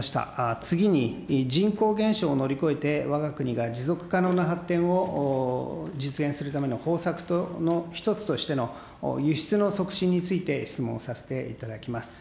次に、人口減少を乗り越えてわが国が持続可能な発展を実現するための方策の一つとしての輸出の促進について、質問させていただきます。